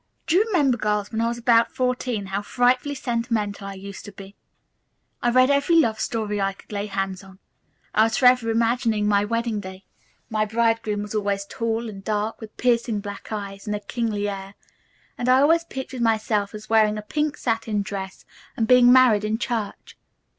"Do you remember, girls, when I was about fourteen how frightfully sentimental I used to be. I read every love story I could lay hands on. I was forever imagining my wedding day. My bridegroom was always tall and dark, with piercing black eyes and a kingly air, and I always pictured myself as wearing a pink satin dress and being married in church.